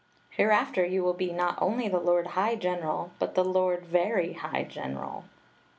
Hereafter you will be not only the lord high general, but die lord very high general.